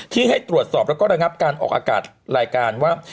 ให้ตรวจสอบแล้วก็ระงับการออกอากาศรายการว่า